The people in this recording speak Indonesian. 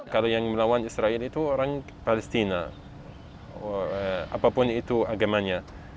kalau yang melawan israel itu orang palestina apapun itu agamanya